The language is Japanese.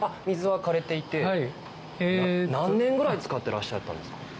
水はかれていてはい何年ぐらい使ってらっしゃったんですか？